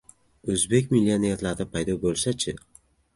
— O‘zbek millionerlari paydo bo‘lsa-chi?